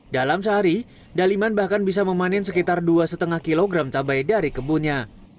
dalam sehari daliman bahkan bisa memanen sekitar dua lima kg cabai dari kebunnya